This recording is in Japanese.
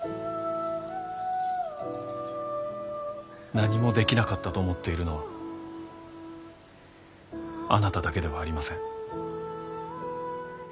何もできなかったと思っているのはあなただけではありません。